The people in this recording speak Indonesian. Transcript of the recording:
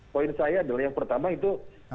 poin saya adalah yang pertama itu